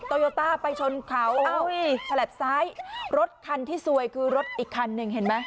โยต้าไปชนเขาฉลับซ้ายรถคันที่ซวยคือรถอีกคันหนึ่งเห็นไหม